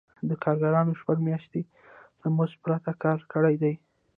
دا کارګرانو شپږ میاشتې له مزد پرته کار کړی دی